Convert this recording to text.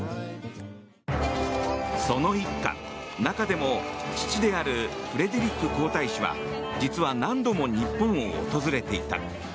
その一家、中でも父であるフレデリック皇太子は実は何度も日本を訪れていた。